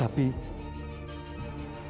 hamba dikutuk oleh soekarno